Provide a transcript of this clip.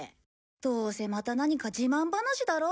どうせまた何か自慢話だろ。